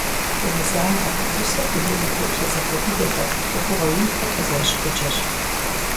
«Гумызагъэ» усэр дунейм и теплъэ зэхуэмыдэхэр, Ӏуэхугъуэ инхэр къызэрыщ гъуджэщ.